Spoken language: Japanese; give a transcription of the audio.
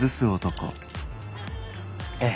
ええ。